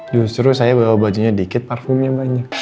justru saya bawa bajunya dikit parfumnya banyak